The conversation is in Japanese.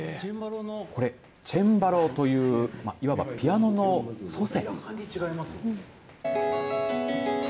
これ、チェンバロといういわばピアノの祖先。